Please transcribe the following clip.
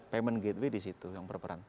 payment gateway di situ yang berperan